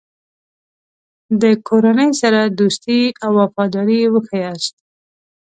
د کورنۍ سره دوستي او وفاداري وښیاست.